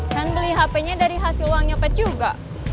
kan beli hpnya dari hasil uangnya opet juga